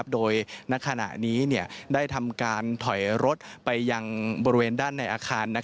โดยณขณะนี้ได้ทำการถอยรถไปยังบริเวณด้านในอาคาร